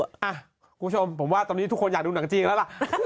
คุณผู้ชมผมว่าตอนนี้ทุกคนอยากดูหนังจีนแล้วล่ะ